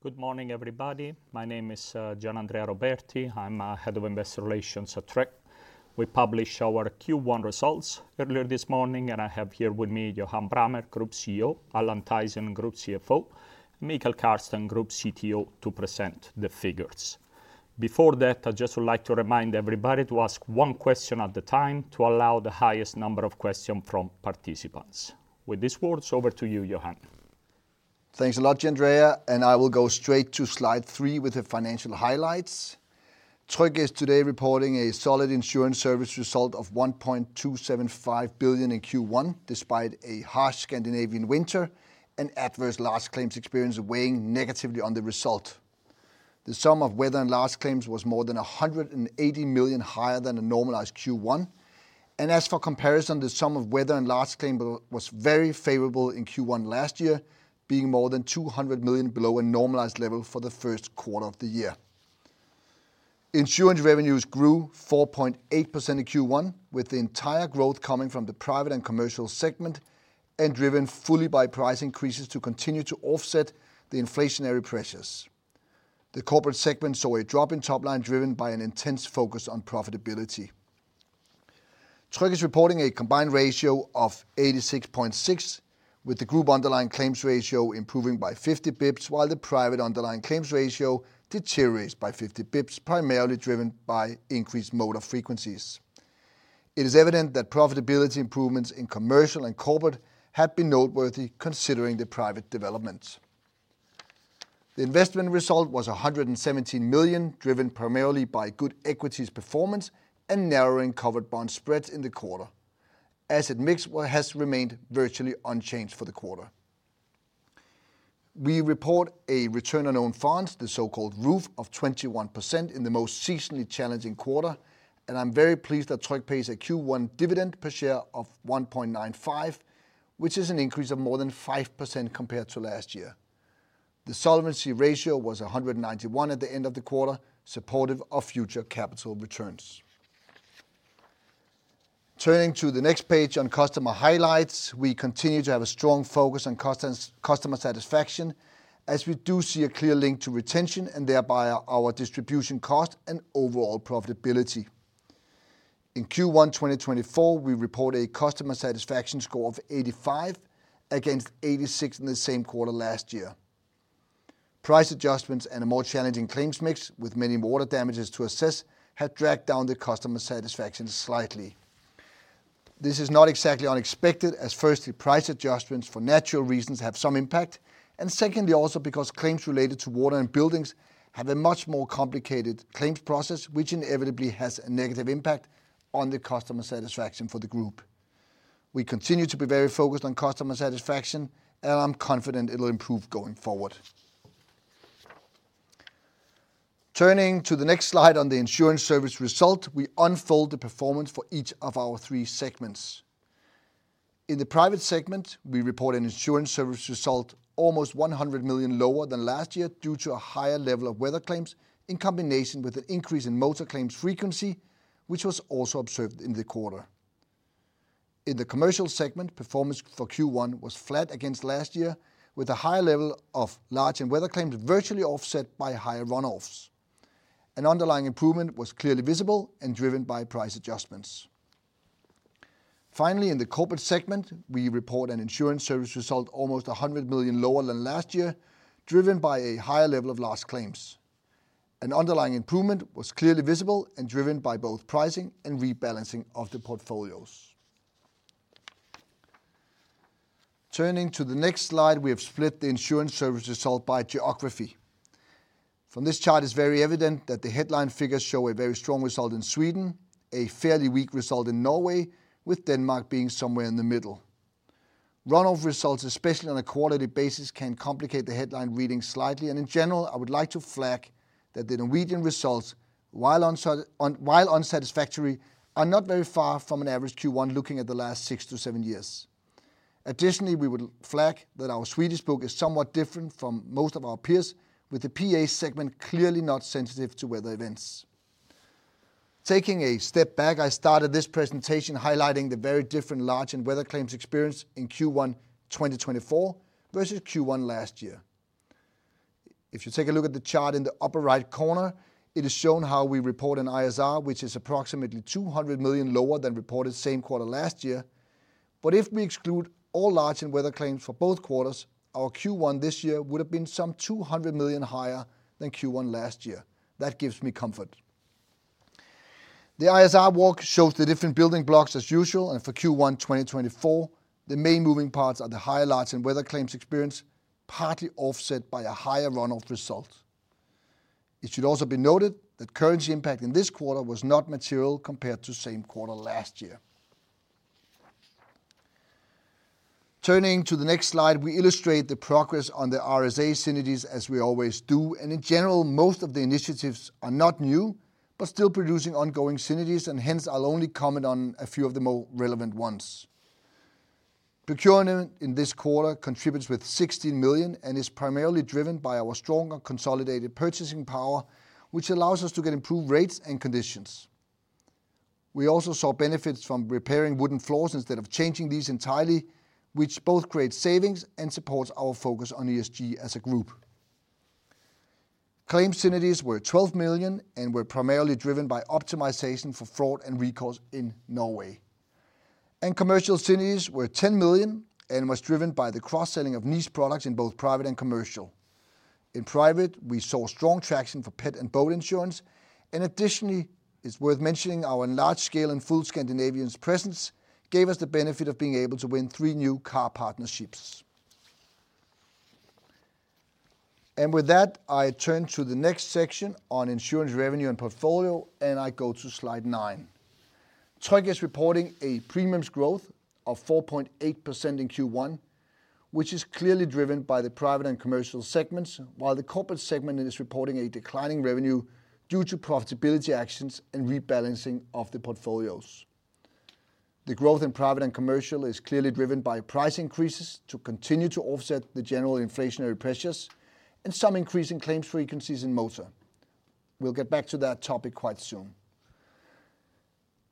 Good morning, everybody. My name is Gianandrea Roberti. I'm head of investor relations at Tryg. We published our Q1 results earlier this morning, and I have here with me Johan Brammer, Group CEO; Allan Thaysen, Group CFO; and Mikael Kärrsten, Group CTO, to present the figures. Before that, I just would like to remind everybody to ask one question at a time to allow the highest number of questions from participants. With these words, over to you, Johan. Thanks a lot, Gianandrea, and I will go straight to slide three with the financial highlights. Tryg is today reporting a solid insurance service result of 1.275 billion in Q1 despite a harsh Scandinavian winter and adverse loss claims experience weighing negatively on the result. The sum of weather and loss claims was more than 180 million higher than a normalized Q1, and as for comparison, the sum of weather and loss claims was very favorable in Q1 last year, being more than 200 million below a normalized level for the first quarter of the year. Insurance revenues grew 4.8% in Q1, with the entire growth coming from the private and commercial segment and driven fully by price increases to continue to offset the inflationary pressures. The corporate segment saw a drop in topline driven by an intense focus on profitability. Tryg is reporting a combined ratio of 86.6, with the group underlying claims ratio improving by 50 basis points while the private underlying claims ratio deteriorates by 50 basis points, primarily driven by increased motor frequencies. It is evident that profitability improvements in commercial and corporate have been noteworthy considering the private development. The investment result was 117 million, driven primarily by good equities performance and narrowing covered bond spreads in the quarter, as it has remained virtually unchanged for the quarter. We report a return on own funds, the so-called ROOF, of 21% in the most seasonally challenging quarter, and I'm very pleased that Tryg pays a Q1 dividend per share of 1.95, which is an increase of more than 5% compared to last year. The solvency ratio was 191% at the end of the quarter, supportive of future capital returns. Turning to the next page on customer highlights, we continue to have a strong focus on customer satisfaction, as we do see a clear link to retention and thereby our distribution costs and overall profitability. In Q1 2024, we report a customer satisfaction score of 85 against 86 in the same quarter last year. Price adjustments and a more challenging claims mix, with many water damages to assess, have dragged down the customer satisfaction slightly. This is not exactly unexpected, as firstly, price adjustments for natural reasons have some impact, and secondly, also because claims related to water and buildings have a much more complicated claims process, which inevitably has a negative impact on the customer satisfaction for the group. We continue to be very focused on customer satisfaction, and I'm confident it'll improve going forward. Turning to the next slide on the insurance service result, we unfold the performance for each of our three segments. In the private segment, we report an insurance service result almost 100 million lower than last year due to a higher level of weather claims in combination with an increase in motor claims frequency, which was also observed in the quarter. In the commercial segment, performance for Q1 was flat against last year, with a higher level of large and weather claims virtually offset by higher runoffs. An underlying improvement was clearly visible and driven by price adjustments. Finally, in the corporate segment, we report an insurance service result almost 100 million lower than last year, driven by a higher level of loss claims. An underlying improvement was clearly visible and driven by both pricing and rebalancing of the portfolios. Turning to the next slide, we have split the Insurance Service Result by geography. From this chart, it's very evident that the headline figures show a very strong result in Sweden, a fairly weak result in Norway, with Denmark being somewhere in the middle. Runoff results, especially on a quarterly basis, can complicate the headline reading slightly, and in general, I would like to flag that the Norwegian results, while unsatisfactory, are not very far from an average Q1 looking at the last six to seven years. Additionally, we would flag that our Swedish book is somewhat different from most of our peers, with the PA segment clearly not sensitive to weather events. Taking a step back, I started this presentation highlighting the very different large and weather claims experience in Q1 2024 versus Q1 last year. If you take a look at the chart in the upper right corner, it is shown how we report an ISR, which is approximately 200 million lower than reported same quarter last year. But if we exclude all large and weather claims for both quarters, our Q1 this year would have been some 200 million higher than Q1 last year. That gives me comfort. The ISR walk shows the different building blocks as usual, and for Q1 2024, the main moving parts are the higher large and weather claims experience, partly offset by a higher runoff result. It should also be noted that currency impact in this quarter was not material compared to same quarter last year. Turning to the next slide, we illustrate the progress on the RSA synergies, as we always do, and in general, most of the initiatives are not new but still producing ongoing synergies, and hence I'll only comment on a few of the more relevant ones. Procurement in this quarter contributes with 16 million and is primarily driven by our stronger consolidated purchasing power, which allows us to get improved rates and conditions. We also saw benefits from repairing wooden floors instead of changing these entirely, which both creates savings and supports our focus on ESG as a group. Claims synergies were 12 million and were primarily driven by optimization for fraud and recalls in Norway. Commercial synergies were 10 million and were driven by the cross-selling of niche products in both private and commercial. In private, we saw strong traction for pet and boat insurance, and additionally, it's worth mentioning our large-scale and full Scandinavian presence gave us the benefit of being able to win 3 new car partnerships. With that, I turn to the next section on insurance revenue and portfolio, and I go to slide nine. Tryg is reporting a premiums growth of 4.8% in Q1, which is clearly driven by the private and commercial segments, while the corporate segment is reporting a declining revenue due to profitability actions and rebalancing of the portfolios. The growth in private and commercial is clearly driven by price increases to continue to offset the general inflationary pressures and some increase in claims frequencies in motor. We'll get back to that topic quite soon.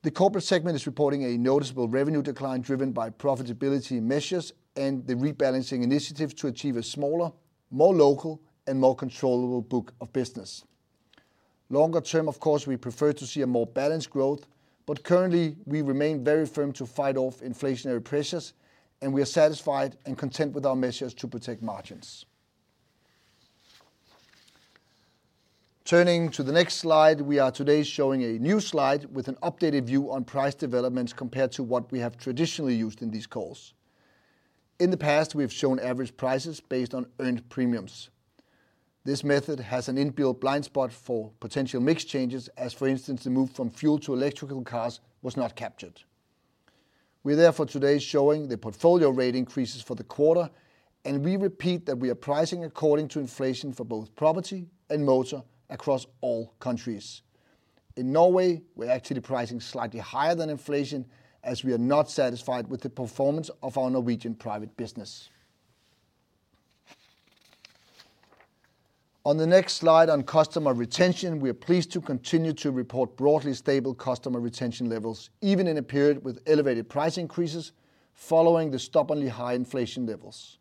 The corporate segment is reporting a noticeable revenue decline driven by profitability measures and the rebalancing initiatives to achieve a smaller, more local, and more controllable book of business. Longer term, of course, we prefer to see a more balanced growth, but currently we remain very firm to fight off inflationary pressures, and we are satisfied and content with our measures to protect margins. Turning to the next slide, we are today showing a new slide with an updated view on price developments compared to what we have traditionally used in these calls. In the past, we have shown average prices based on earned premiums. This method has an inbuilt blind spot for potential mix changes, as for instance, the move from fuel to electrical cars was not captured. We are therefore today showing the portfolio rate increases for the quarter, and we repeat that we are pricing according to inflation for both property and motor across all countries. In Norway, we're actually pricing slightly higher than inflation, as we are not satisfied with the performance of our Norwegian private business. On the next slide on customer retention, we are pleased to continue to report broadly stable customer retention levels, even in a period with elevated price increases following the stubbornly high inflation levels.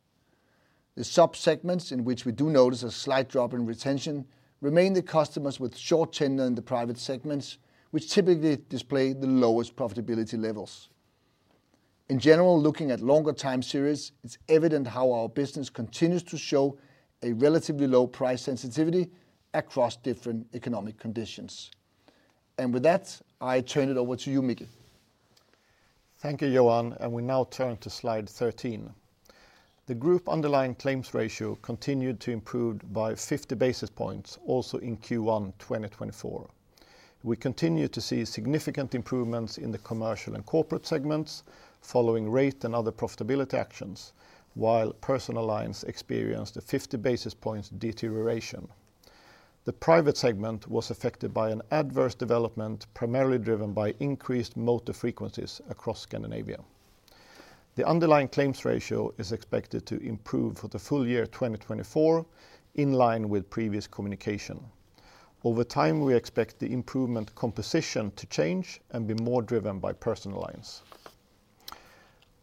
The subsegments in which we do notice a slight drop in retention remain the customers with short tenure in the private segments, which typically display the lowest profitability levels. In general, looking at longer time series, it's evident how our business continues to show a relatively low price sensitivity across different economic conditions. With that, I turn it over to you, Mikael. Thank you, Johan, and we now turn to slide 13. The group underlying claims ratio continued to improve by 50 basis points, also in Q1 2024. We continue to see significant improvements in the commercial and corporate segments following rate and other profitability actions, while personal lines experienced a 50 basis points deterioration. The private segment was affected by an adverse development primarily driven by increased motor frequencies across Scandinavia. The underlying claims ratio is expected to improve for the full year 2024, in line with previous communication. Over time, we expect the improvement composition to change and be more driven by personal lines.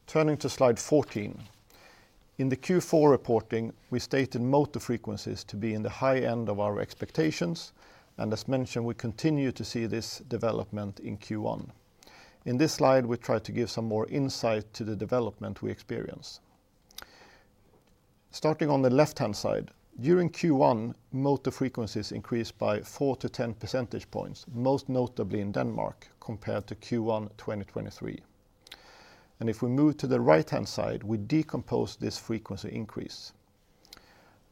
Turning to slide 14. In the Q4 reporting, we stated motor frequencies to be in the high end of our expectations, and as mentioned, we continue to see this development in Q1. In this slide, we try to give some more insight to the development we experience. Starting on the left-hand side, during Q1, motor frequencies increased by 4-10 percentage points, most notably in Denmark compared to Q1 2023. If we move to the right-hand side, we decompose this frequency increase.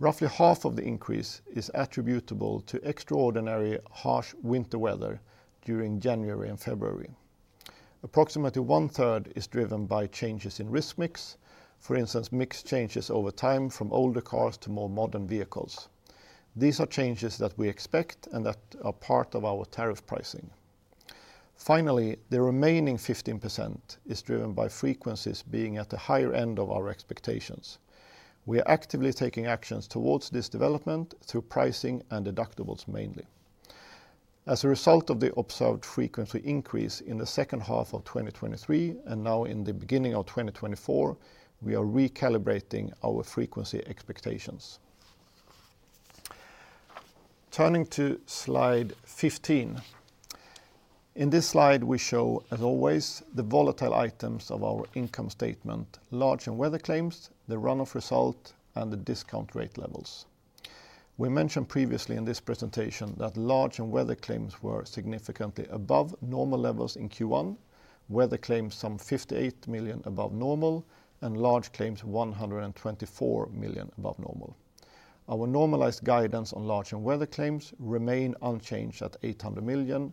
Roughly half of the increase is attributable to extraordinary harsh winter weather during January and February. Approximately 1/3 is driven by changes in risk mix, for instance, mix changes over time from older cars to more modern vehicles. These are changes that we expect and that are part of our tariff pricing. Finally, the remaining 15% is driven by frequencies being at the higher end of our expectations. We are actively taking actions towards this development through pricing and deductibles mainly. As a result of the observed frequency increase in the second half of 2023 and now in the beginning of 2024, we are recalibrating our frequency expectations. Turning to slide 15. In this slide, we show, as always, the volatile items of our income statement: large and weather claims, the runoff result, and the discount rate levels. We mentioned previously in this presentation that large and weather claims were significantly above normal levels in Q1, weather claims some 58 million above normal, and large claims 124 million above normal. Our normalized guidance on large and weather claims remains unchanged at 800 million,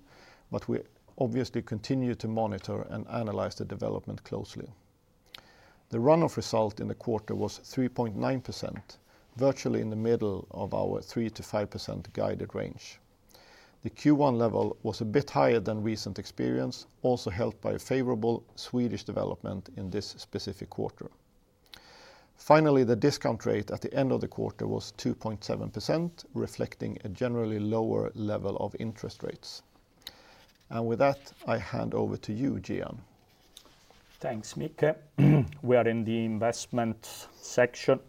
but we obviously continue to monitor and analyze the development closely. The runoff result in the quarter was 3.9%, virtually in the middle of our 3%-5% guided range. The Q1 level was a bit higher than recent experience, also helped by a favorable Swedish development in this specific quarter. Finally, the discount rate at the end of the quarter was 2.7%, reflecting a generally lower level of interest rates. With that, I hand over to you, Gian. Thanks, Mikael. We are in the investment section.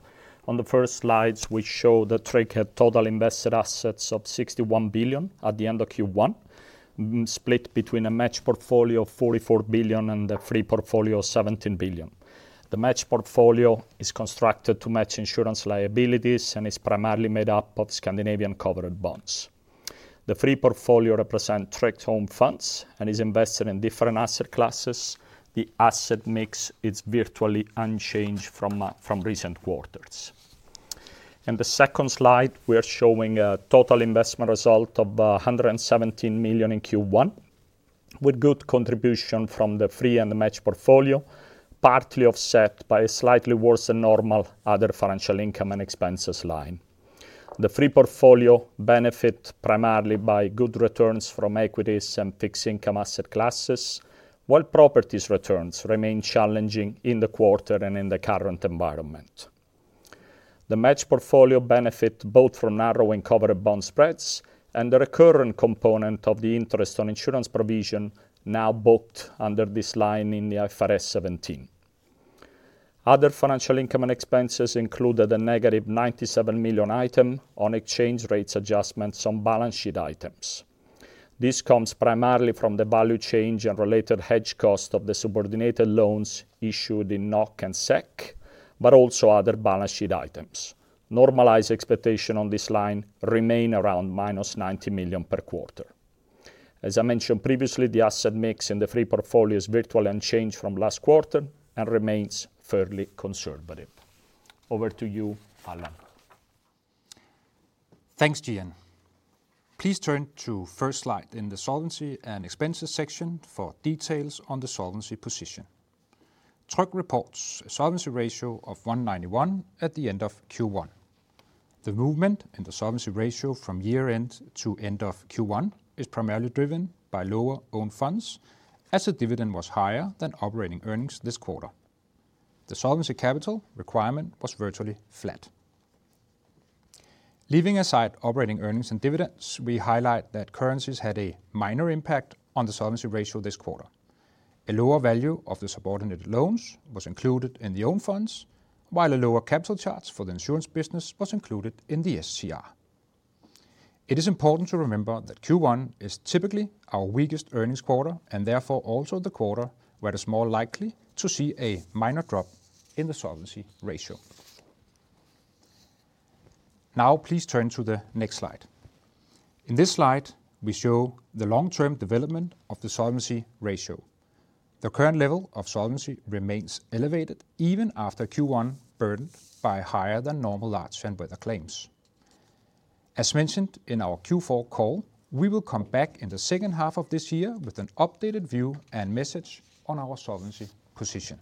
On the first slides, we show that Tryg had total invested assets of 61 billion at the end of Q1, split between a matched portfolio of 44 billion and the free portfolio of 17 billion. The matched portfolio is constructed to match insurance liabilities and is primarily made up of Scandinavian covered bonds. The free portfolio represents Tryg's own funds and is invested in different asset classes. The asset mix is virtually unchanged from recent quarters. In the second slide, we are showing a total investment result of 117 million in Q1, with good contribution from the free and matched portfolio, partly offset by a slightly worse than normal other financial income and expenses line. The free portfolio benefits primarily by good returns from equities and fixed income asset classes, while property returns remain challenging in the quarter and in the current environment. The matched portfolio benefits both from narrowing covered bond spreads and the recurrent component of the interest on insurance provision now booked under this line in the IFRS 17. Other financial income and expenses include a negative 97 million item on exchange rate adjustments on balance sheet items. This comes primarily from the value change and related hedge cost of the subordinated loans issued in NOK and SEK, but also other balance sheet items. Normalized expectations on this line remain around -90 million per quarter. As I mentioned previously, the asset mix in the free portfolio is virtually unchanged from last quarter and remains fairly conservative. Over to you, Allan. Thanks, Gianandrea. Please turn to the first slide in the solvency and expenses section for details on the solvency position. Tryg reports a solvency ratio of 191 at the end of Q1. The movement in the solvency ratio from year-end to end of Q1 is primarily driven by lower own funds, as the dividend was higher than operating earnings this quarter. The solvency capital requirement was virtually flat. Leaving aside operating earnings and dividends, we highlight that currencies had a minor impact on the solvency ratio this quarter. A lower value of the subordinate loans was included in the own funds, while a lower capital charge for the insurance business was included in the SCR. It is important to remember that Q1 is typically our weakest earnings quarter and therefore also the quarter where it is more likely to see a minor drop in the solvency ratio. Now, please turn to the next slide. In this slide, we show the long-term development of the solvency ratio. The current level of solvency remains elevated even after Q1 burdened by higher than normal large and weather claims. As mentioned in our Q4 call, we will come back in the second half of this year with an updated view and message on our solvency position.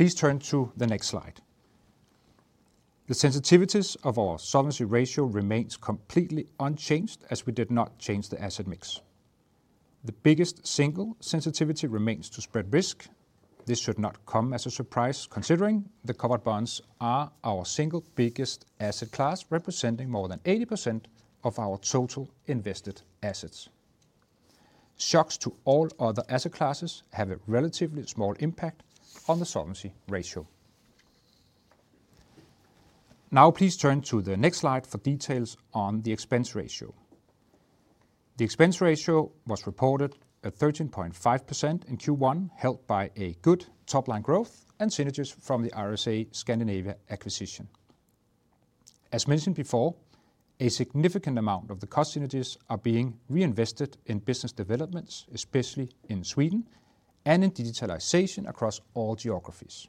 Please turn to the next slide. The sensitivities of our solvency ratio remain completely unchanged, as we did not change the asset mix. The biggest single sensitivity remains to spread risk. This should not come as a surprise, considering the covered bonds are our single biggest asset class representing more than 80% of our total invested assets. Shocks to all other asset classes have a relatively small impact on the solvency ratio. Now, please turn to the next slide for details on the expense ratio. The expense ratio was reported at 13.5% in Q1, helped by a good top-line growth and synergies from the RSA Scandinavia acquisition. As mentioned before, a significant amount of the cost synergies are being reinvested in business developments, especially in Sweden, and in digitalization across all geographies.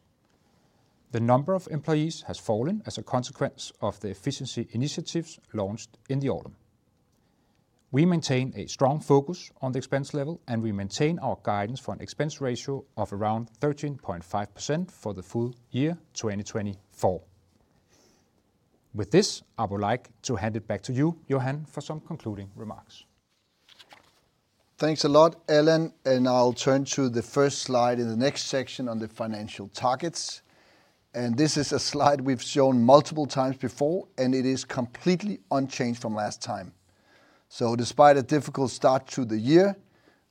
The number of employees has fallen as a consequence of the efficiency initiatives launched in the autumn. We maintain a strong focus on the expense level, and we maintain our guidance for an expense ratio of around 13.5% for the full year 2024. With this, I would like to hand it back to you, Johan, for some concluding remarks. Thanks a lot, Allan, and I'll turn to the first slide in the next section on the financial targets. This is a slide we've shown multiple times before, and it is completely unchanged from last time. Despite a difficult start to the year,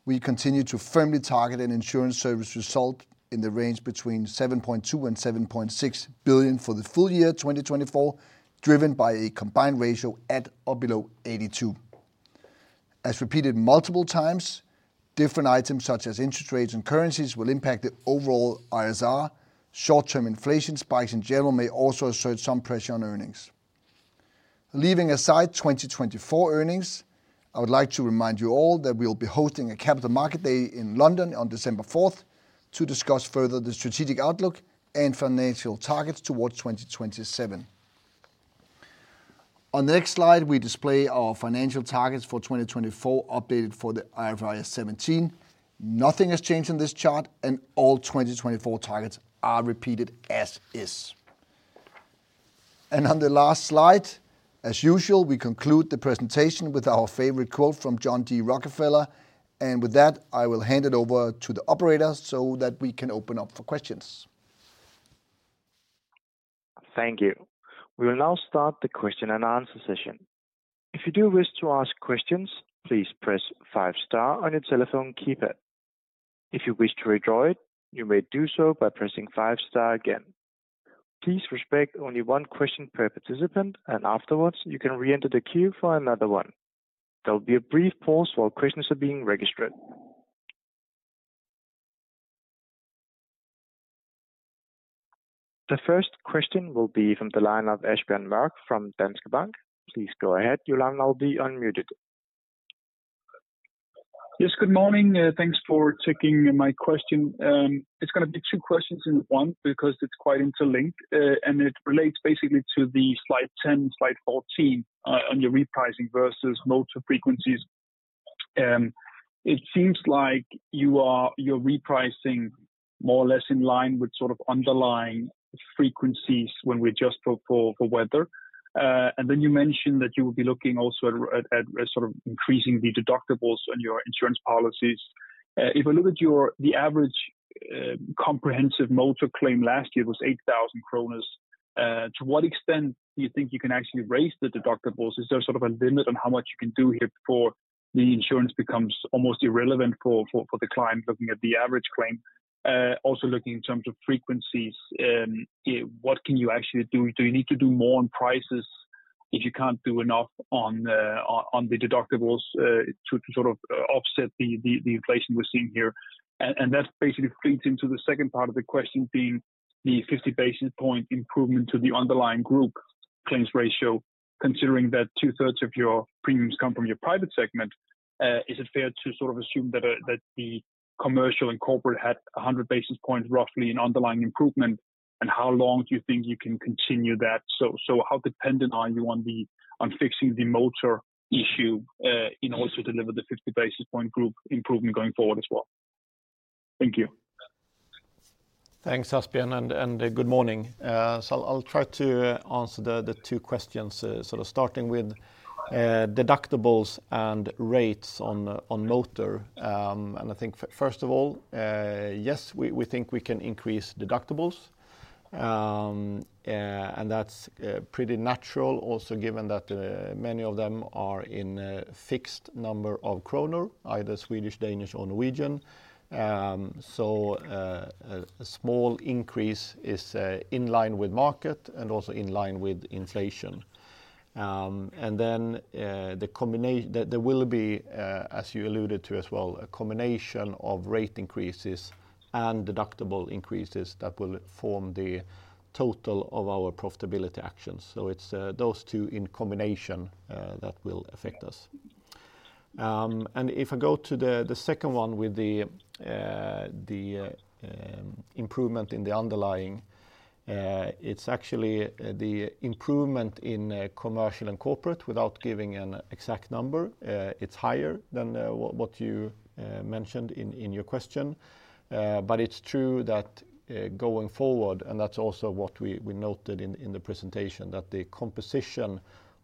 we continue to firmly target an insurance service result in the range between 7.2 billion-7.6 billion for the full year 2024, driven by a combined ratio at or below 82. As repeated multiple times, different items such as interest rates and currencies will impact the overall ISR. Short-term inflation spikes in general may also assert some pressure on earnings. Leaving aside 2024 earnings, I would like to remind you all that we will be hosting a Capital Markets Day in London on December 4th to discuss further the strategic outlook and financial targets towards 2027. On the next slide, we display our financial targets for 2024 updated for the IFRS 17. Nothing has changed in this chart, and all 2024 targets are repeated as is. On the last slide, as usual, we conclude the presentation with our favorite quote from John D. Rockefeller. With that, I will hand it over to the operator so that we can open up for questions. Thank you. We will now start the question-and-answer session. If you do wish to ask questions, please press five-star on your telephone keypad. If you wish to withdraw it, you may do so by pressing five-star again. Please respect only one question per participant, and afterwards, you can re-enter the queue for another one. There will be a brief pause while questions are being registered. The first question will be from the line of Asbjørn Mørk from Danske Bank. Please go ahead, Johan, I'll be unmuted. Yes, good morning. Thanks for taking my question. It's going to be two questions in one because it's quite interlinked, and it relates basically to slide 10 and slide 14 on your repricing versus motor frequencies. It seems like you are repricing more or less in line with sort of underlying frequencies when we adjust for weather. And then you mentioned that you would be looking also at sort of increasing the deductibles on your insurance policies. If I look at the average comprehensive motor claim last year, it was 8,000 kroner. To what extent do you think you can actually raise the deductibles? Is there sort of a limit on how much you can do here before the insurance becomes almost irrelevant for the client looking at the average claim? Also looking in terms of frequencies, what can you actually do? Do you need to do more on prices if you can't do enough on the deductibles to sort of offset the inflation we're seeing here? And that basically feeds into the second part of the question being the 50 basis point improvement to the underlying group claims ratio. Considering that 2/3 of your premiums come from your private segment, is it fair to sort of assume that the commercial and corporate had 100 basis points roughly in underlying improvement? And how long do you think you can continue that? So how dependent are you on fixing the motor issue in order to deliver the 50 basis point group improvement going forward as well? Thank you. Thanks, Asbjørn, and good morning. So I'll try to answer the two questions, sort of starting with deductibles and rates on motor. And I think, first of all, yes, we think we can increase deductibles. And that's pretty natural also given that many of them are in a fixed number of kroner, either Swedish, Danish, or Norwegian. So a small increase is in line with market and also in line with inflation. And then there will be, as you alluded to as well, a combination of rate increases and deductible increases that will form the total of our profitability actions. So it's those two in combination that will affect us. And if I go to the second one with the improvement in the underlying, it's actually the improvement in commercial and corporate without giving an exact number. It's higher than what you mentioned in your question. But it's true that going forward, and that's also what we noted in the presentation, that the composition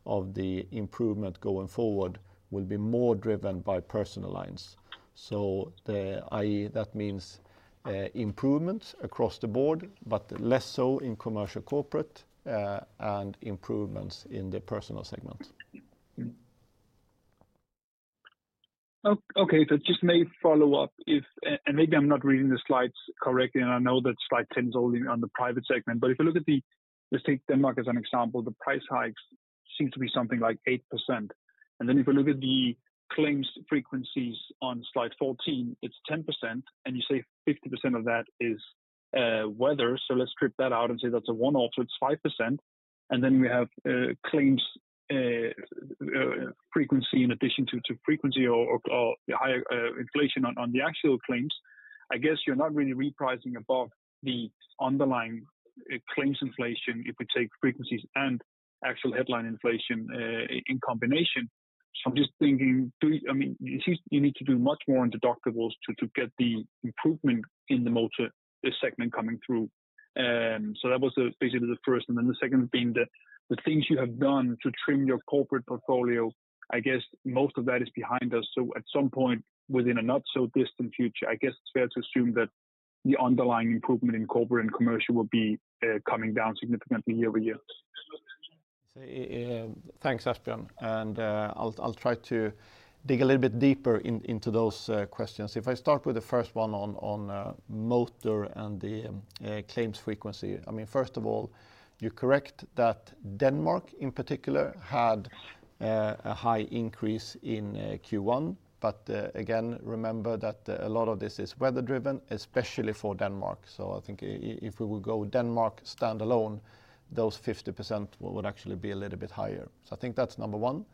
of the improvement going forward will be more driven by personal lines. So that means improvements across the board, but less so in commercial corporate and improvements in the personal segment. Okay, so just a follow up. Maybe I'm not reading the slides correctly, and I know that slide 10 is only on the private segment. But if you look at the, let's take Denmark as an example, the price hikes seem to be something like 8%. Then if you look at the claims frequencies on slide 14, it's 10%, and you say 50% of that is weather. So let's strip that out and say that's a one-off. So it's 5%. And then we have claims frequency in addition to frequency or higher inflation on the actual claims. I guess you're not really repricing above the underlying claims inflation if we take frequencies and actual headline inflation in combination. So I'm just thinking, I mean, you need to do much more on deductibles to get the improvement in the motor segment coming through. So that was basically the first. And then the second being the things you have done to trim your corporate portfolio, I guess most of that is behind us. So at some point within a not-so-distant future, I guess it's fair to assume that the underlying improvement in corporate and commercial will be coming down significantly year-over-year. Thanks, Asbjørn. I'll try to dig a little bit deeper into those questions. If I start with the first one on motor and the claims frequency, I mean, first of all, you're correct that Denmark in particular had a high increase in Q1. But again, remember that a lot of this is weather-driven, especially for Denmark. So I think if we would go Denmark standalone, those 50% would actually be a little bit higher. So I think that's number one.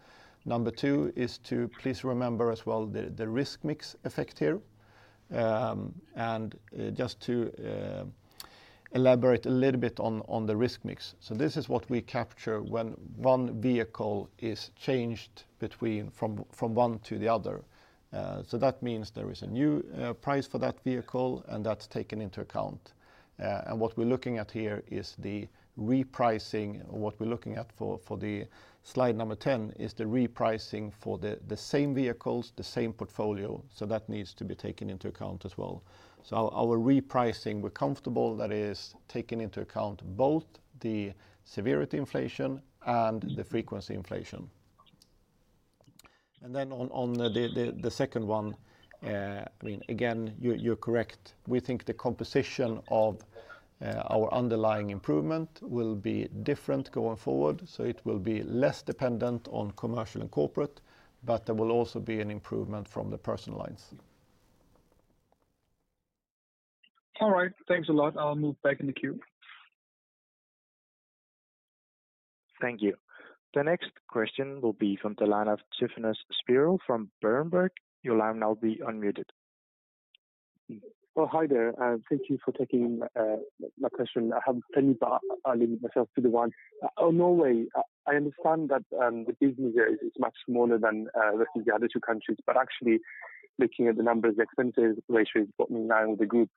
Number two is to please remember as well the risk mix effect here. And just to elaborate a little bit on the risk mix. So this is what we capture when one vehicle is changed from one to the other. So that means there is a new price for that vehicle, and that's taken into account. And what we're looking at here is the repricing. What we're looking at for slide number 10 is the repricing for the same vehicles, the same portfolio. So that needs to be taken into account as well. So our repricing, we're comfortable that it is taken into account both the severity inflation and the frequency inflation. And then on the second one, I mean, again, you're correct. We think the composition of our underlying improvement will be different going forward. So it will be less dependent on commercial and corporate, but there will also be an improvement from the personal lines. All right. Thanks a lot. I'll move back in the queue. Thank you. The next question will be from the line of Tryfonas Spyrou from Berenberg. Your line will now be unmuted. Well, hi there. Thank you for taking my question. I have plenty, but I'll limit myself to the one. Norway, I understand that the business there is much smaller than the other two countries. But actually, looking at the numbers, the expense ratio is what we're now with the group.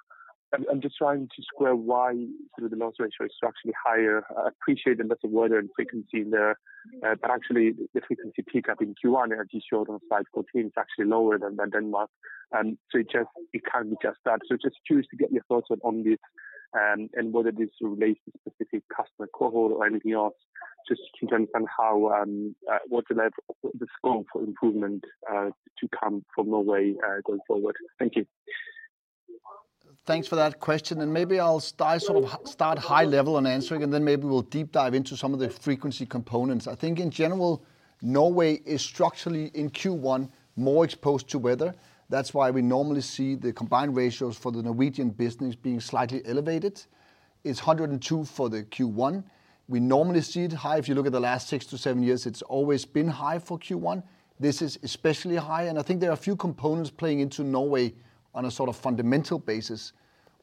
I'm just trying to square why the loss ratio is actually higher. I appreciate the lesser weather and frequency there. But actually, the frequency pickup in Q1, as you showed on slide 14, is actually lower than Denmark. So it can't be just that. So just curious to get your thoughts on this and whether this relates to specific customer cohort or anything else, just to understand what's the scope for improvement to come from Norway going forward. Thank you. Thanks for that question. Maybe I'll sort of start high-level on answering, and then maybe we'll deep dive into some of the frequency components. I think in general, Norway is structurally in Q1 more exposed to weather. That's why we normally see the combined ratios for the Norwegian business being slightly elevated. It's 102 for the Q1. We normally see it high. If you look at the last six to seven years, it's always been high for Q1. This is especially high. I think there are a few components playing into Norway on a sort of fundamental basis.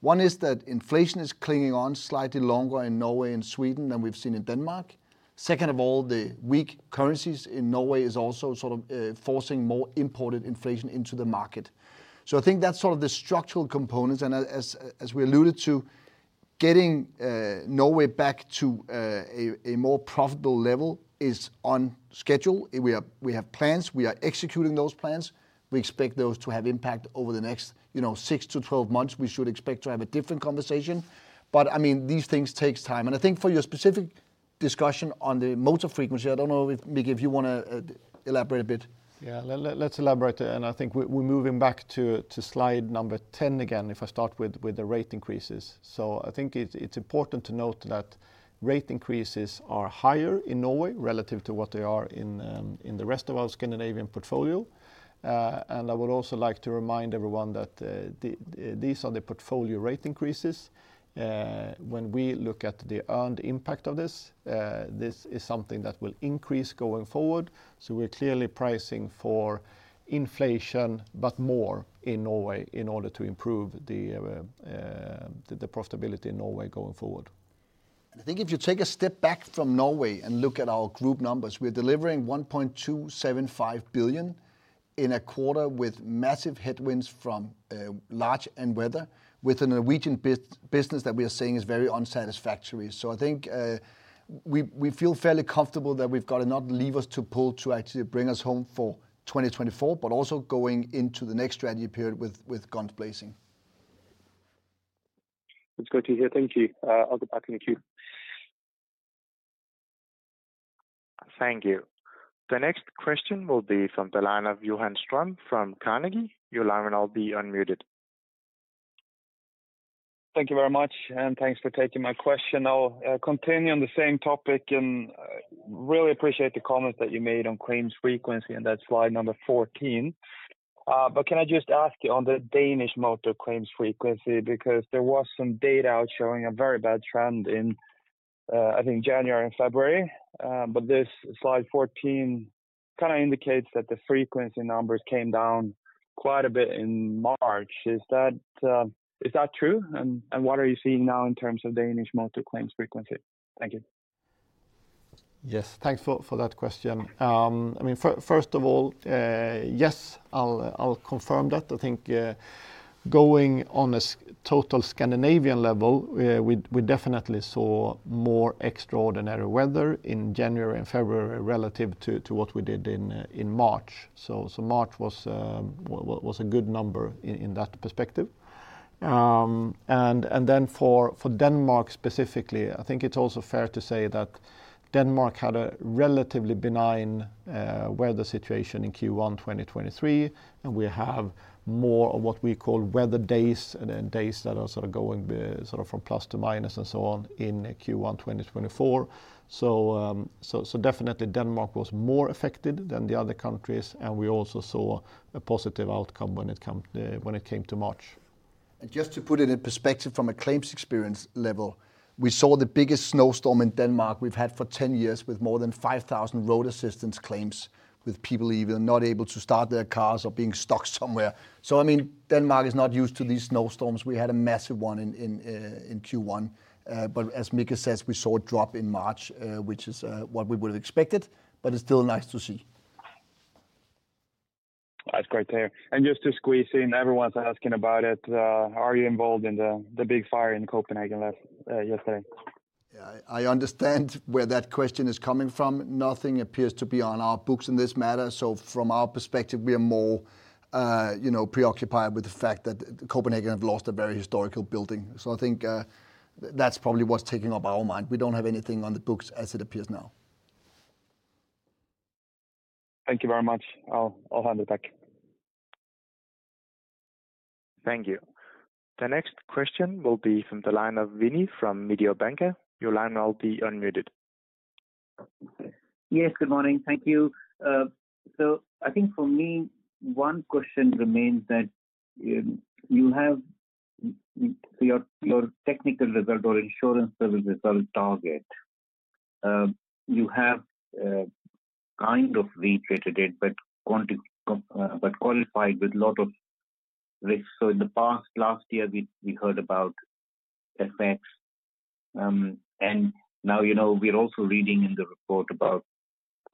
One is that inflation is clinging on slightly longer in Norway and Sweden than we've seen in Denmark. Second of all, the weak currencies in Norway are also sort of forcing more imported inflation into the market. So I think that's sort of the structural components. And as we alluded to, getting Norway back to a more profitable level is on schedule. We have plans. We are executing those plans. We expect those to have impact over the next six to 12 months. We should expect to have a different conversation. But I mean, these things take time. And I think for your specific discussion on the motor frequency, I don't know, Mikael, if you want to elaborate a bit. Yeah, let's elaborate there. And I think we're moving back to slide number 10 again if I start with the rate increases. So I think it's important to note that rate increases are higher in Norway relative to what they are in the rest of our Scandinavian portfolio. And I would also like to remind everyone that these are the portfolio rate increases. When we look at the earned impact of this, this is something that will increase going forward. So we're clearly pricing for inflation, but more in Norway in order to improve the profitability in Norway going forward. And I think if you take a step back from Norway and look at our group numbers, we're delivering 1.275 billion in a quarter with massive headwinds from large and weather, with a Norwegian business that we are seeing is very unsatisfactory. So I think we feel fairly comfortable that we've got enough levers to pull to actually bring us home for 2024, but also going into the next strategy period with guns blazing. That's great to hear. Thank you. I'll go back in the queue. Thank you. The next question will be from the line of Johan Ström from Carnegie. Your line will now be unmuted. Thank you very much, and thanks for taking my question. I'll continue on the same topic and really appreciate the comments that you made on claims frequency on that slide number 14. But can I just ask you on the Danish motor claims frequency? Because there was some data out showing a very bad trend in, I think, January and February. But this slide 14 kind of indicates that the frequency numbers came down quite a bit in March. Is that true? And what are you seeing now in terms of Danish motor claims frequency? Thank you. Yes, thanks for that question. I mean, first of all, yes, I'll confirm that. I think going on a total Scandinavian level, we definitely saw more extraordinary weather in January and February relative to what we did in March. So March was a good number in that perspective. And then for Denmark specifically, I think it's also fair to say that Denmark had a relatively benign weather situation in Q1 2023. And we have more of what we call weather days and then days that are sort of going sort of from plus to minus and so on in Q1 2024. So definitely, Denmark was more affected than the other countries. And we also saw a positive outcome when it came to March. Just to put it in perspective from a claims experience level, we saw the biggest snowstorm in Denmark we've had for 10 years with more than 5,000 road assistance claims with people even not able to start their cars or being stuck somewhere. I mean, Denmark is not used to these snowstorms. We had a massive one in Q1. As Mikael says, we saw a drop in March, which is what we would have expected, but it's still nice to see. That's great to hear. Just to squeeze in, everyone's asking about it. Are you involved in the big fire in Copenhagen yesterday? Yeah, I understand where that question is coming from. Nothing appears to be on our books in this matter. So from our perspective, we are more preoccupied with the fact that Copenhagen has lost a very historical building. So I think that's probably what's taking up our mind. We don't have anything on the books as it appears now. Thank you very much. I'll hand it back. Thank you. The next question will be from the line of Vinit from Mediobanca. Your line will now be unmuted. Yes, good morning. Thank you. So I think for me, one question remains that you have your technical result or insurance service result target. You have kind of re-rated it, but qualified with a lot of risks. So in the past, last year, we heard about effects. And now we're also reading in the report about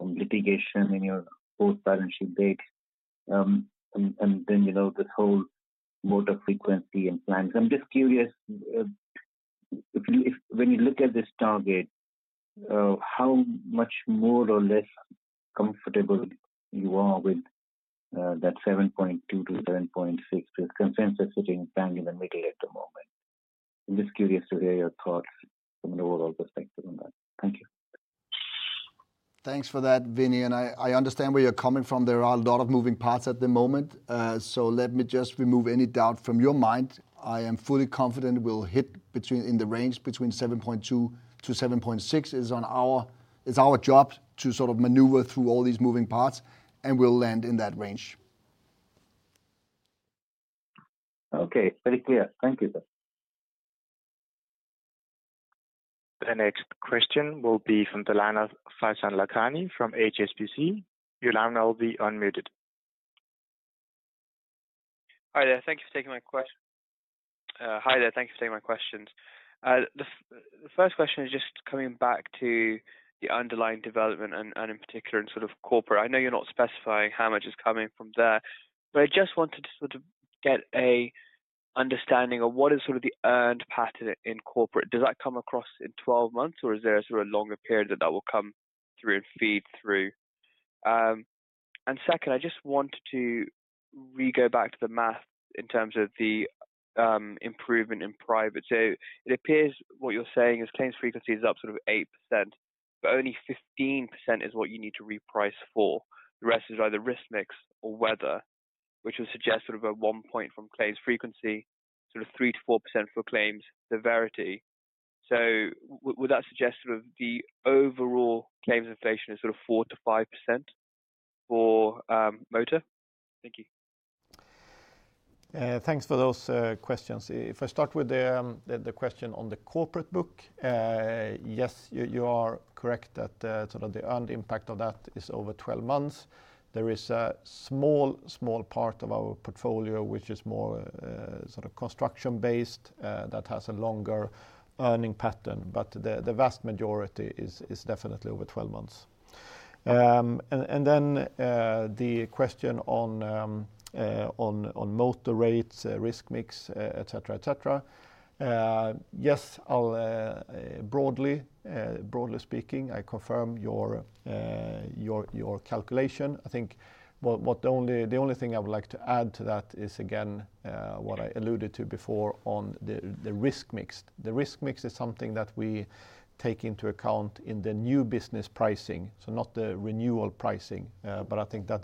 litigation in your post-balance sheet date. And then this whole motor frequency and inflation. I'm just curious, when you look at this target, how much more or less comfortable you are with that 7.2-7.6 with consensus sitting bang in the middle at the moment? I'm just curious to hear your thoughts from an overall perspective on that. Thank you. Thanks for that, Vini. And I understand where you're coming from. There are a lot of moving parts at the moment. So let me just remove any doubt from your mind. I am fully confident we'll hit in the range between 7.2-7.6. It's our job to sort of maneuver through all these moving parts, and we'll land in that range. Okay, very clear. Thank you, sir. The next question will be from the line of Faizan Lakhani from HSBC. Your line will now be unmuted. Hi there. Thank you for taking my questions. The first question is just coming back to the underlying development and in particular in sort of Corporate. I know you're not specifying how much is coming from there, but I just wanted to sort of get an understanding of what is sort of the earned pattern in Corporate. Does that come across in 12 months, or is there sort of a longer period that that will come through and feed through? And second, I just wanted to go back to the math in terms of the improvement in Private. So it appears what you're saying is claims frequency is up sort of 8%, but only 15% is what you need to reprice for. The rest is either risk mix or weather, which would suggest sort of a 1 point from claims frequency, sort of 3%-4% for claims severity. So would that suggest sort of the overall claims inflation is sort of 4%-5% for motor? Thank you. Thanks for those questions. If I start with the question on the corporate book, yes, you are correct that sort of the earned impact of that is over 12 months. There is a small, small part of our portfolio, which is more sort of construction-based, that has a longer earning pattern. But the vast majority is definitely over 12 months. And then the question on motor rates, risk mix, etc., etc. Yes, broadly speaking, I confirm your calculation. I think the only thing I would like to add to that is, again, what I alluded to before on the risk mix. The risk mix is something that we take into account in the new business pricing, so not the renewal pricing. But I think that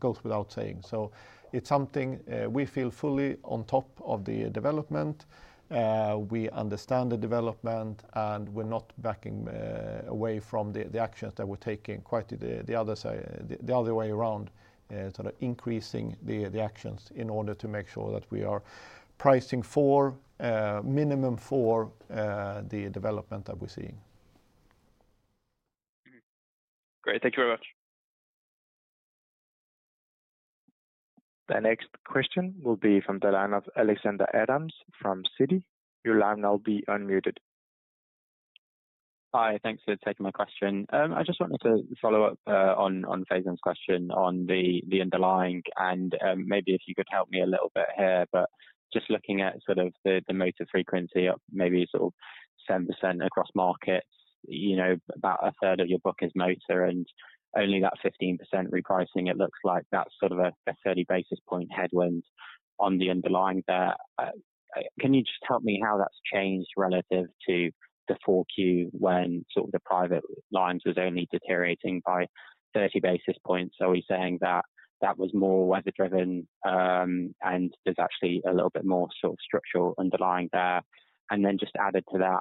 goes without saying. So it's something we feel fully on top of the development. We understand the development, and we're not backing away from the actions that we're taking quite the other way around, sort of increasing the actions in order to make sure that we are pricing for minimum for the development that we're seeing. Great. Thank you very much. The next question will be from the line of Alexander Evans from Citi. Your line will now be unmuted. Hi. Thanks for taking my question. I just wanted to follow up on Faisal's question on the underlying and maybe if you could help me a little bit here. But just looking at sort of the motor frequency, maybe sort of 7% across markets, about a third of your book is motor, and only that 15% repricing, it looks like that's sort of a 30 basis point headwind on the underlying there. Can you just help me how that's changed relative to the 4Q when sort of the private lines was only deteriorating by 30 basis points? Are we saying that that was more weather-driven and there's actually a little bit more sort of structural underlying there? And then just added to that,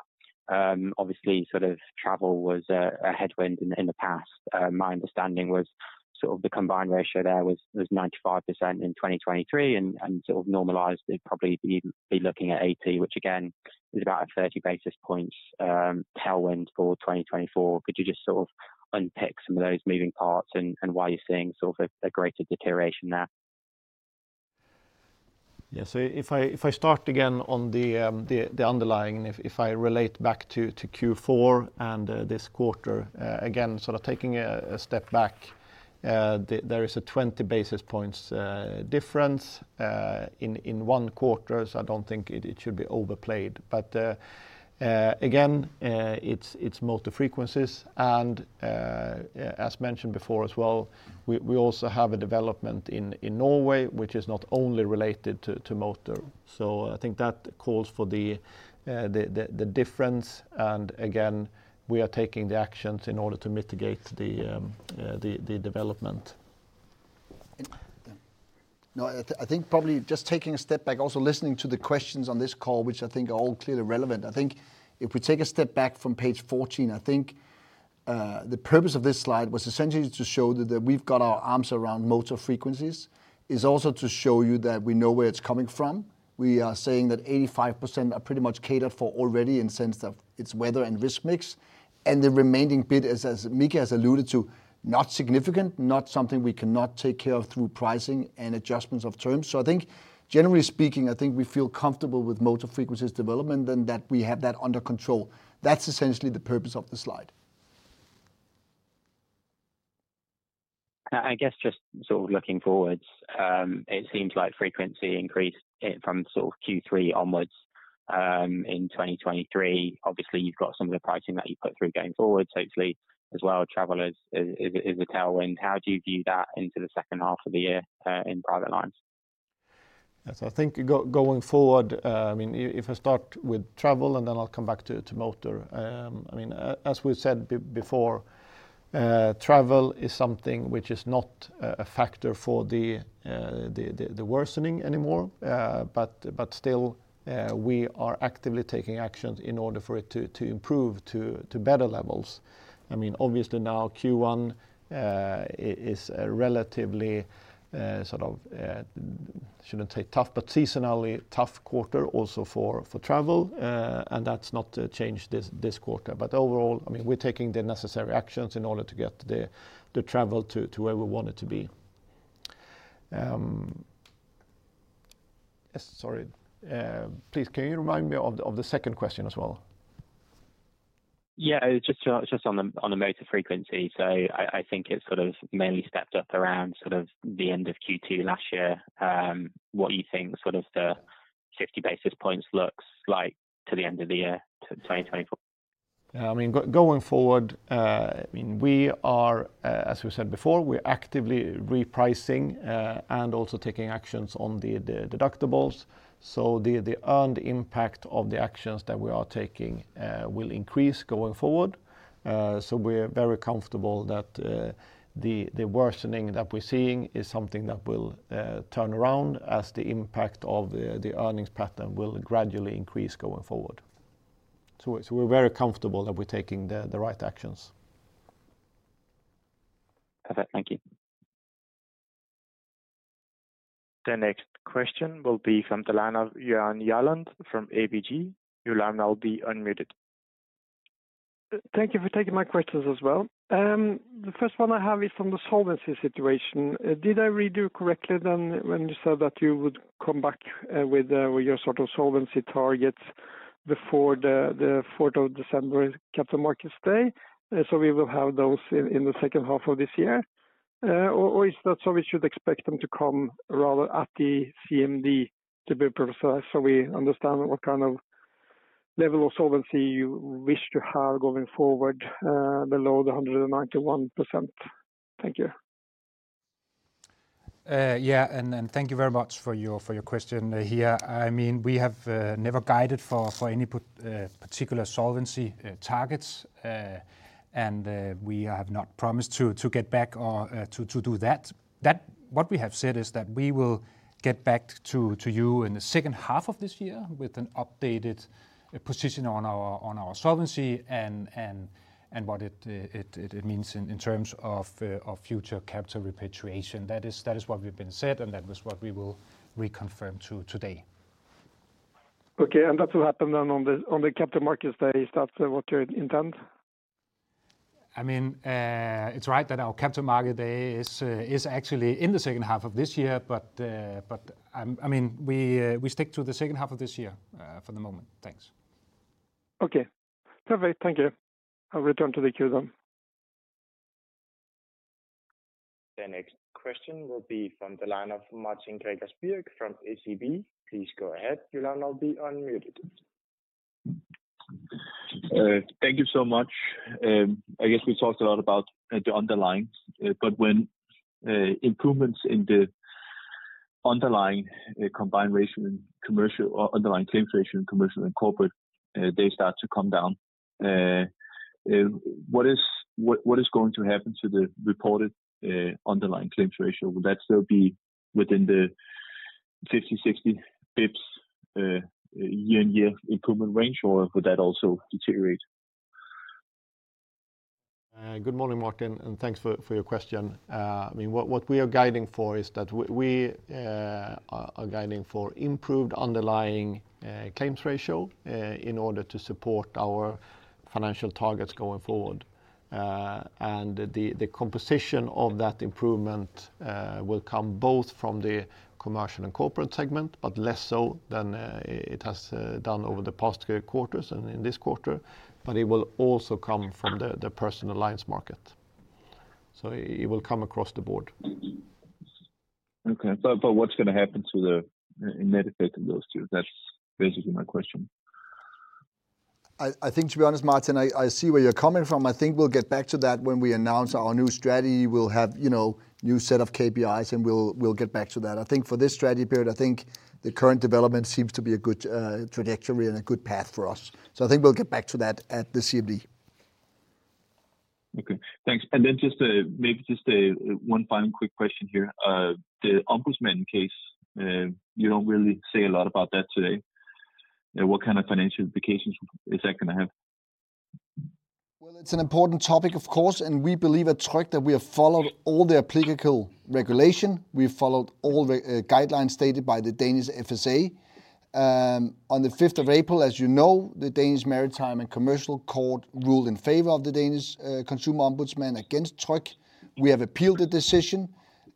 obviously, sort of travel was a headwind in the past. My understanding was sort of the combined ratio there was 95% in 2023 and sort of normalized. It'd probably be looking at 80, which again is about a 30 basis points tailwind for 2024. Could you just sort of unpick some of those moving parts and why you're seeing sort of a greater deterioration there? Yeah, so if I start again on the underlying, if I relate back to Q4 and this quarter, again, sort of taking a step back, there is a 20 basis points difference in one quarter. So I don't think it should be overplayed. But again, it's motor frequencies. And as mentioned before as well, we also have a development in Norway, which is not only related to motor. So I think that calls for the difference. And again, we are taking the actions in order to mitigate the development. No, I think probably just taking a step back, also listening to the questions on this call, which I think are all clearly relevant. I think if we take a step back from page 14, I think the purpose of this slide was essentially to show that we've got our arms around motor frequencies, is also to show you that we know where it's coming from. We are saying that 85% are pretty much catered for already in the sense that it's weather and risk mix. And the remaining bit, as Mikael has alluded to, not significant, not something we cannot take care of through pricing and adjustments of terms. So I think generally speaking, I think we feel comfortable with motor frequencies development and that we have that under control. That's essentially the purpose of the slide. I guess just sort of looking forward, it seems like frequency increased from sort of Q3 onward in 2023. Obviously, you've got some of the pricing that you put through going forward, so obviously as well, travel is a tailwind. How do you view that into the second half of the year in private lines? So I think going forward, I mean, if I start with travel and then I'll come back to motor. I mean, as we said before, travel is something which is not a factor for the worsening anymore. But still, we are actively taking actions in order for it to improve to better levels. I mean, obviously now Q1 is a relatively sort of, I shouldn't say tough, but seasonally tough quarter also for travel. And that's not changed this quarter. But overall, I mean, we're taking the necessary actions in order to get the travel to where we want it to be. Yes, sorry. Please, can you remind me of the second question as well? Yeah, just on the motor frequency. So I think it's sort of mainly stepped up around sort of the end of Q2 last year. What you think sort of the 50 basis points looks like to the end of the year, 2024? Yeah, I mean, going forward, I mean, we are, as we said before, we're actively repricing and also taking actions on the deductibles. So the earned impact of the actions that we are taking will increase going forward. So we're very comfortable that the worsening that we're seeing is something that will turn around as the impact of the earnings pattern will gradually increase going forward. So we're very comfortable that we're taking the right actions. Perfect. Thank you. The next question will be from the line of Jan Erik Gjerland from ABG. Your line will now be unmuted. Thank you for taking my questions as well. The first one I have is on the solvency situation. Did I redo correctly when you said that you would come back with your sort of solvency targets before the 4th of December Capital Markets Day? So we will have those in the second half of this year. Or is that so we should expect them to come rather at the CMD to be precise, so we understand what kind of level of solvency you wish to have going forward below the 191%? Thank you. Yeah, thank you very much for your question here. I mean, we have never guided for any particular solvency targets, and we have not promised to get back or to do that. What we have said is that we will get back to you in the second half of this year with an updated position on our solvency and what it means in terms of future capital repatriation. That is what we've been said, and that was what we will reconfirm today. Okay, and that will happen then on the Capital Markets Day. Is that what you intend? I mean, it's right that our Capital Markets Day is actually in the second half of this year. But I mean, we stick to the second half of this year for the moment. Thanks. Okay. Perfect. Thank you. I'll return to the queue then. The next question will be from the line of Martin Birk from SEB. Please go ahead. Your line will be unmuted. Thank you so much. I guess we talked a lot about the underlying. But when improvements in the underlying combined ratio in Commercial or underlying claims ratio in Commercial and Corporate, they start to come down, what is going to happen to the reported underlying claims ratio? Will that still be within the 50-60 basis points year-on-year improvement range, or will that also deteriorate? Good morning, Martin, and thanks for your question. I mean, what we are guiding for is that we are guiding for improved underlying claims ratio in order to support our financial targets going forward. And the composition of that improvement will come both from the commercial and corporate segment, but less so than it has done over the past quarters and in this quarter. But it will also come from the personal lines market. So it will come across the board. Okay, but what's going to happen to the net effect of those two? That's basically my question. I think, to be honest, Martin, I see where you're coming from. I think we'll get back to that when we announce our new strategy. We'll have a new set of KPIs, and we'll get back to that. I think for this strategy period, I think the current development seems to be a good trajectory and a good path for us. So I think we'll get back to that at the CMD. Okay, thanks. And then maybe just one final quick question here. The ombudsman case, you don't really say a lot about that today. What kind of financial implications is that going to have? Well, it's an important topic, of course. We believe at Tryg that we have followed all the applicable regulation. We've followed all guidelines stated by the Danish FSA. On the 5th of April, as you know, the Danish Maritime and Commercial Court ruled in favor of the Danish Consumer Ombudsman against Tryg. We have appealed the decision.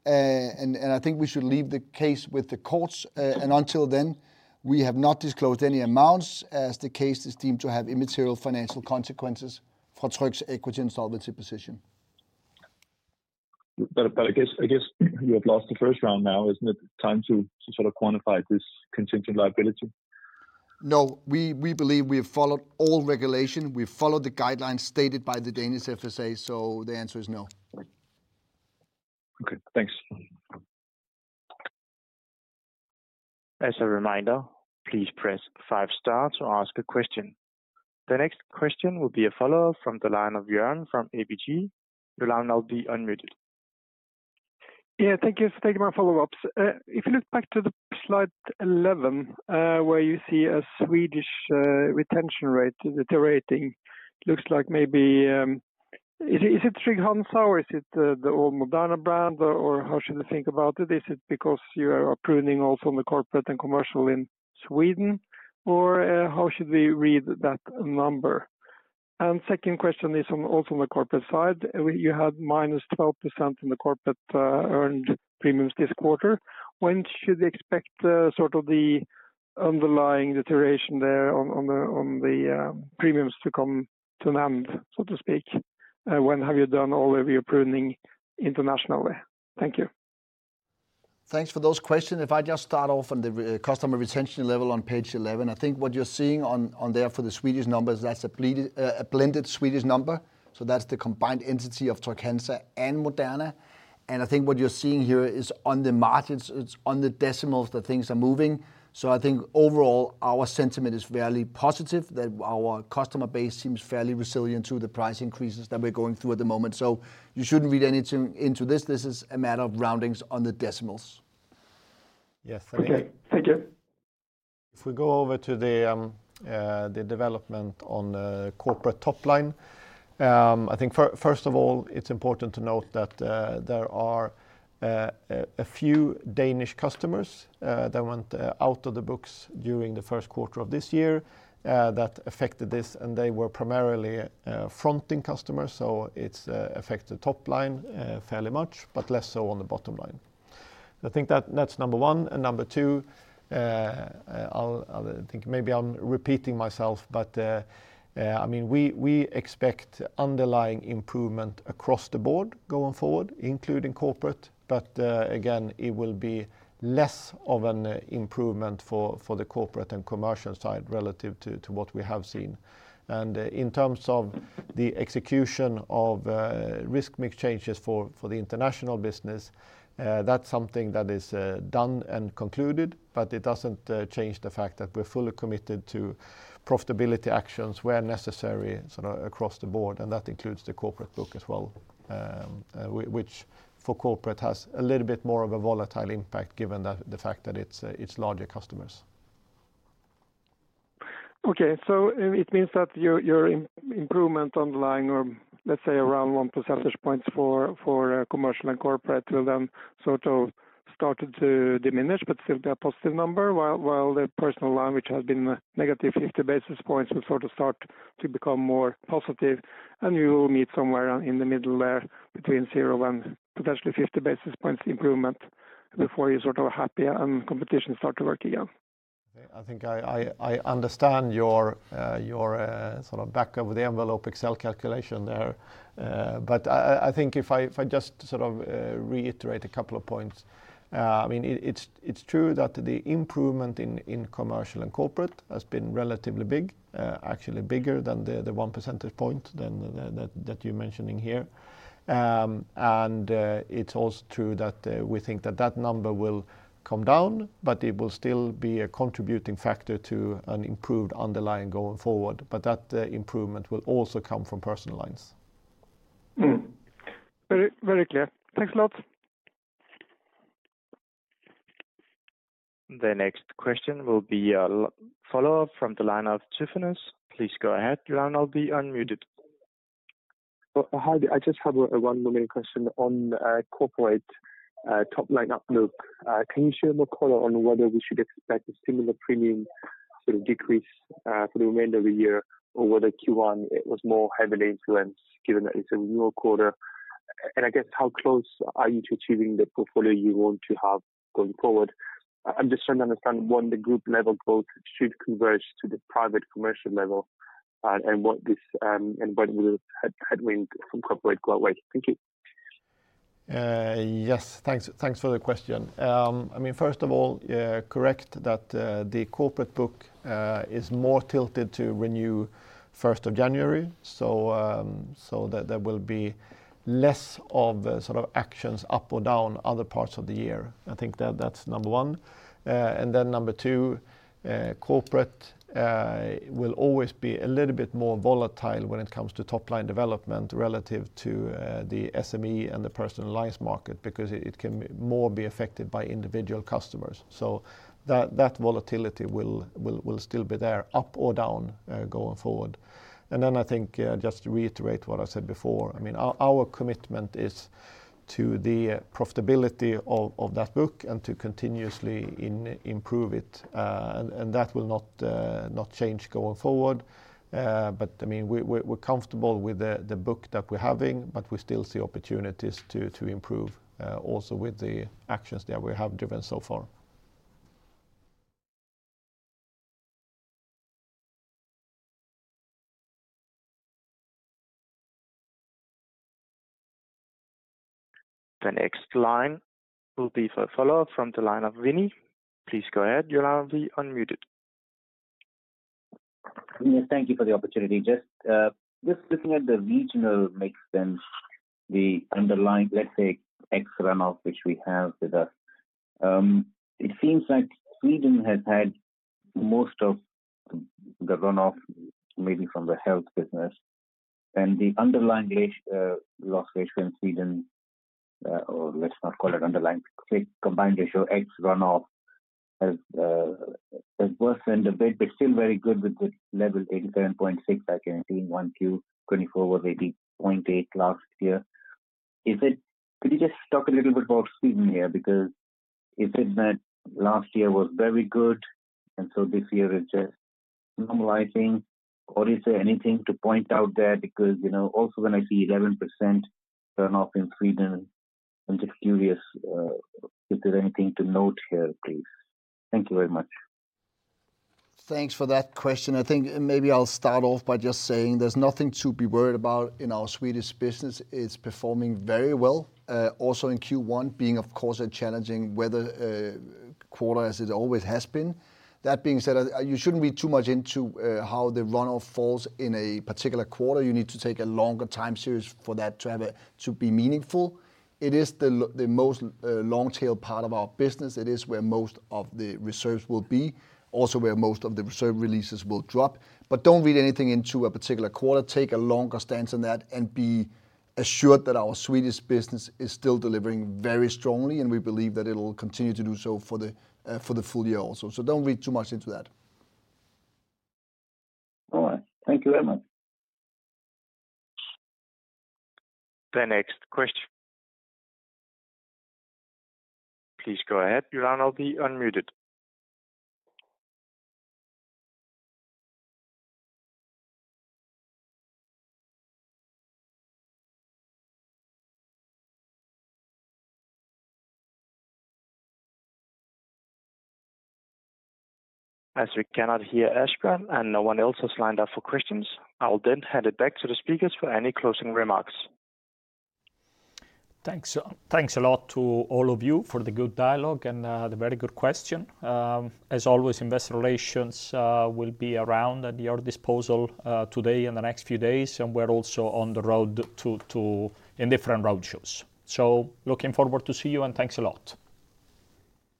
I think we should leave the case with the courts. Until then, we have not disclosed any amounts as the case is deemed to have immaterial financial consequences for Tryg's equity and solvency position. I guess you have lost the first round now, isn't it? Time to sort of quantify this contingent liability? No, we believe we have followed all regulation. We've followed the guidelines stated by the Danish FSA. The answer is no. Okay, thanks. As a reminder, please press five stars to ask a question. The next question will be a follow-up from the line of Jan from ABG. Your line will now be unmuted. Yeah, thank you for my follow-ups. If you look back to slide 11, where you see a Swedish retention rate deteriorating, it looks like maybe is it Trygg-Hansa or is it the old Moderna brand, or how should we think about it? Is it because you are pruning also on the corporate and commercial in Sweden, or how should we read that number? And second question is also on the corporate side. You had -12% in the corporate earned premiums this quarter. When should we expect sort of the underlying deterioration there on the premiums to come to an end, so to speak? When have you done all of your pruning internationally? Thank you. Thanks for those questions. If I just start off on the customer retention level on page 11, I think what you're seeing on there for the Swedish numbers, that's a blended Swedish number. So that's the combined entity of Trygg-Hansa and Moderna. And I think what you're seeing here is on the markets, it's on the decimals that things are moving. So I think overall, our sentiment is fairly positive, that our customer base seems fairly resilient to the price increases that we're going through at the moment. So you shouldn't read anything into this. This is a matter of roundings on the decimals. Yes, I think. Okay, thank you. If we go over to the development on the corporate top line, I think first of all, it's important to note that there are a few Danish customers that went out of the books during the first quarter of this year that affected this, and they were primarily fronting customers. So it's affected the top line fairly much, but less so on the bottom line. So I think that's number one. And number two, I think maybe I'm repeating myself, but I mean, we expect underlying improvement across the board going forward, including corporate. But again, it will be less of an improvement for the corporate and commercial side relative to what we have seen. In terms of the execution of risk mix changes for the international business, that's something that is done and concluded, but it doesn't change the fact that we're fully committed to profitability actions where necessary sort of across the board. That includes the corporate book as well, which for corporate has a little bit more of a volatile impact given the fact that it's larger customers. Okay, so it means that your improvement underlying or let's say around 1 percentage points for commercial and corporate will then sort of start to diminish, but still be a positive number while the personal line, which has been negative 50 basis points, will sort of start to become more positive. You will meet somewhere in the middle there between zero and potentially 50 basis points improvement before you sort of are happy and competition starts to work again. Okay, I think I understand your sort of back of the envelope Excel calculation there. But I think if I just sort of reiterate a couple of points, I mean, it's true that the improvement in commercial and corporate has been relatively big, actually bigger than the one percentage point that you're mentioning here. And it's also true that we think that that number will come down, but it will still be a contributing factor to an improved underlying going forward. But that improvement will also come from personal lines. Very clear. Thanks a lot. The next question will be a follow-up from the line of Tryfonas Spyrou. Please go ahead. Your line will be unmuted. Hi, I just have one more question on corporate topline outlook. Can you share more color on whether we should expect a similar premium sort of decrease for the remainder of the year or whether Q1 it was more heavily influenced given that it's a newer quarter? And I guess how close are you to achieving the portfolio you want to have going forward? I'm just trying to understand when the group level growth should converge to the private commercial level and what this and what will headwind from corporate go away. Thank you. Yes, thanks for the question. I mean, first of all, correct that the corporate book is more tilted to renew 1st of January. So there will be less of sort of actions up or down other parts of the year. I think that's number one. And then number two, corporate will always be a little bit more volatile when it comes to topline development relative to the SME and the personal lines market because it can more be affected by individual customers. So that volatility will still be there up or down going forward. And then I think just to reiterate what I said before, I mean, our commitment is to the profitability of that book and to continuously improve it. And that will not change going forward. But I mean, we're comfortable with the book that we're having, but we still see opportunities to improve also with the actions that we have driven so far. The next line will be for a follow-up from the line of Vinit. Please go ahead. Your line will be unmuted. Vinit, thank you for the opportunity. Just looking at the regional mix and the underlying, let's say, ex runoff, which we have with us, it seems like Sweden has had most of the runoff maybe from the health business. And the underlying loss ratio in Sweden, or let's not call it underlying, combined ratio ex runoff has worsened a bit, but still very good with the level 87.6. I can see in Q1 2024 was 80.8 last year. Could you just talk a little bit about Sweden here? Because is it that last year was very good, and so this year is just normalizing, or is there anything to point out there? Because also when I see 11% growth in Sweden, I'm just curious if there's anything to note here, please. Thank you very much. Thanks for that question. I think maybe I'll start off by just saying there's nothing to be worried about in our Swedish business. It's performing very well, also in Q1, being, of course, a challenging weather quarter as it always has been. That being said, you shouldn't read too much into how the runoff falls in a particular quarter. You need to take a longer time series for that to be meaningful. It is the most long-tail part of our business. It is where most of the reserves will be, also where most of the reserve releases will drop. But don't read anything into a particular quarter. Take a longer stance on that and be assured that our Swedish business is still delivering very strongly, and we believe that it will continue to do so for the full year also. So don't read too much into that. All right. Thank you very much. The next question. Please go ahead. Your line will be unmuted. As we cannot hear Asbjørn and no one else has lined up for questions, I'll then hand it back to the speakers for any closing remarks. Thanks a lot to all of you for the good dialogue and the very good question. As always, Investor Relations will be around at your disposal today and the next few days, and we're also on the road in different roadshows. So looking forward to seeing you, and thanks a lot.